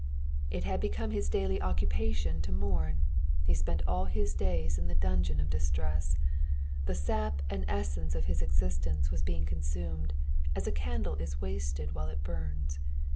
It had become his daily occupation to mourn ; he spent all his days in the dungeon of distress. The sap and essence of his existence was being consumed, as a candle is wasted while it burns.